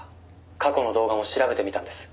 「過去の動画も調べてみたんです」